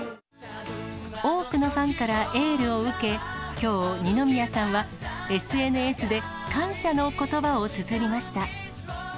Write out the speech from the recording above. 多くのファンからエールを受け、きょう、二宮さんはＳＮＳで感謝のことばをつづりました。